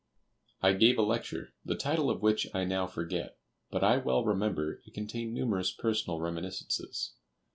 I gave a lecture, the title of which I now forget; but I well remember it contained numerous personal reminiscences.